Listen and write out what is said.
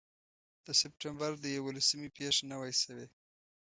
د سپټمبر د یوولسمې پېښه نه وای شوې.